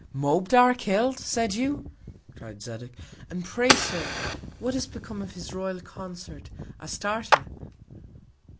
Moabdar kill'd, said you! cry'd Zadig, and pray, Sir, what is become of his Royal Consort, Astarte?